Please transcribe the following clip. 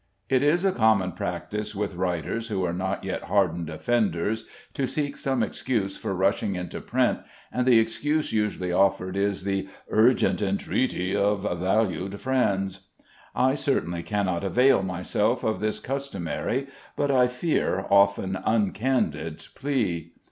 It is a common practice with writers who are not yet hardened offenders, to seek some excuse for rushing into print, and the excuse usually offered is the "urgent entreaty of valued friends." I certainly cannot avail myself of this customary but I fear often uncandid plea.